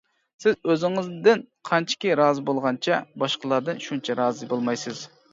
سىز ئۆزىڭىزدىن قانچىكى رازى بولغانچە باشقىلاردىن شۇنچە رازى بولمايسىز.